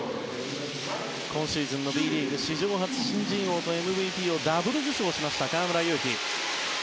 今シーズンＢリーグ史上初新人王とＭＶＰをダブル受賞した河村勇輝。